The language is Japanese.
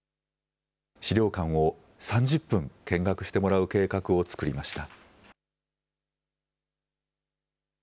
資料館を３０分、見学してもらう計画を作りました。